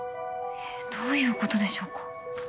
えっどういうことでしょうか。